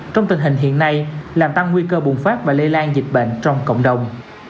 trong tình hình hiện nay làm tăng nguy cơ bùng phát và lây lan dịch bệnh trong cộng đồng